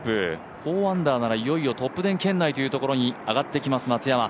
４アンダーならいよいよトップ１０圏内というところに上がってきます、松山。